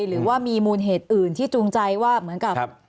หรือว่ามีมูลเหตุอื่นที่จูงใจว่าเหมือนกับ